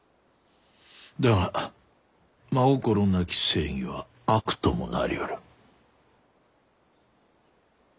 だが真心なき正義は悪ともなりうる。